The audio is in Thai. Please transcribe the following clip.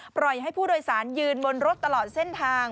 ปล่อยให้ผู้โดยสารยืนบนรถตลอดเส้นทาง